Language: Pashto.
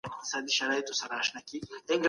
سم نیت ډار نه زیاتوي.